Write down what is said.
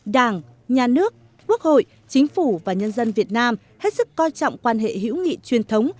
đảng nhà nước quốc hội chính phủ và nhân dân việt nam hết sức coi trọng quan hệ hữu nghị truyền thống